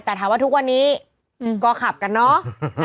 แต่ถามว่าทุกวันนี้ก็ขับกันเนาะ